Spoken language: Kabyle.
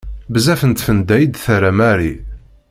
Bezzaf n tfenda i d-terra Marie.